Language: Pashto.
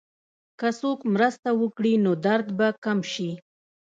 که څوک مرسته وکړي، نو درد به کم شي.